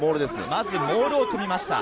まずモールを組みました、